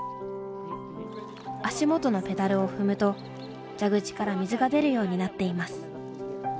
足元のペダルを踏むと蛇口から水が出るようになっています。